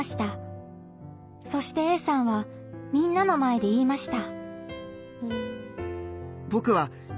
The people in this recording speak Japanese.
そしてＡさんはみんなの前で言いました。